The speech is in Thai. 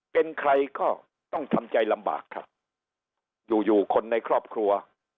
เป็นใครก็ต้องทำใจลำบากครับอยู่อยู่คนในครอบครัว